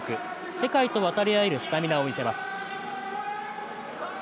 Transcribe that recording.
世界と渡り合えるスタミナを見せます。